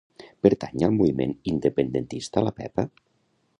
Pertany al moviment independentista la Pepa?